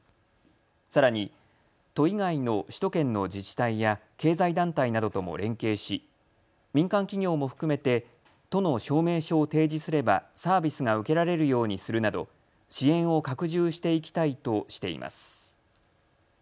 さらに都以外の首都圏の自治体や経済団体などとも連携し民間企業も含めて都の証明書を提示すればサービスが受けられるようにするなど支援を拡充していきたいとしています。